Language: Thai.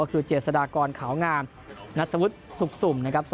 ก็คือเจษฎากรขาวงามณฑวุฒิสุมนะครับ